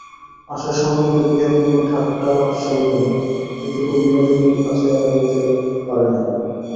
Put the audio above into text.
আশার সম্বন্ধে বিহারী কোনো ঠাট্টা সহিবে না, এটুকু বিনোদিনীর কাছে এড়াইতে পারে নাই।